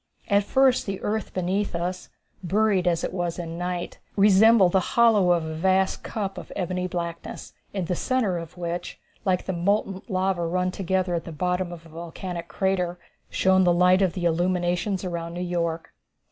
At first the earth beneath us, buried as it was in night, resembled the hollow of a vast cup of ebony blackness, in the centre of which, like the molten lava run together at the bottom of a volcanic crater, shone the light of the illuminations around New York.